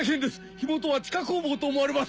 火元は地下工房と思われます！